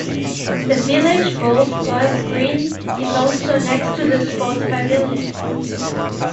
The village bowls club green is also next to the sports pavilion.